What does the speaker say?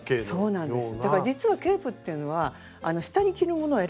そうなんです。